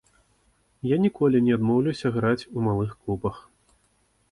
Я ніколі не адмоўлюся граць у малых клубах.